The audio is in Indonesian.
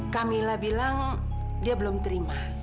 camilla bilang dia belum terima